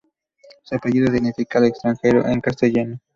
Su apellido significa El Extranjero en castellano.